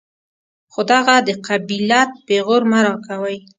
خو دغه د قبيلت پېغور مه راکوئ.